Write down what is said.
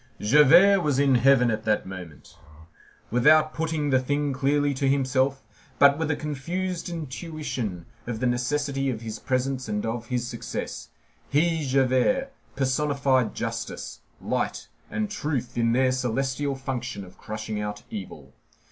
Javert was in heaven at that moment. Without putting the thing clearly to himself, but with a confused intuition of the necessity of his presence and of his success, he, Javert, personified justice, light, and truth in their celestial function of crushing out evil.